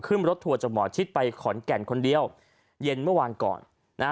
ขึ้นรถทัวร์จากหมอชิดไปขอนแก่นคนเดียวเย็นเมื่อวานก่อนนะฮะ